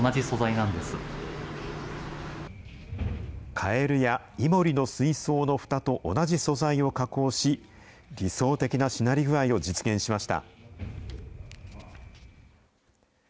カエルやイモリの水槽のふたと同じ素材を加工し、理想的なしなり具合を実現しました。